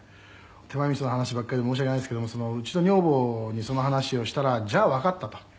「手前みその話ばっかりで申し訳ないんですけどもうちの女房にその話をしたら“じゃあわかった”と」